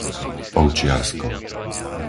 Ovčiarsko